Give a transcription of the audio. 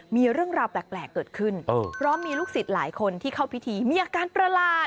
มีเรื่องราวแปลกเกิดขึ้นเพราะมีลูกศิษย์หลายคนที่เข้าพิธีมีอาการประหลาด